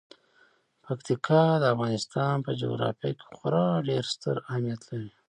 پکتیکا د افغانستان په جغرافیه کې خورا ډیر ستر اهمیت لري.